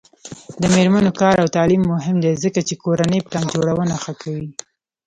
د میرمنو کار او تعلیم مهم دی ځکه چې کورنۍ پلان جوړونه ښه کوي.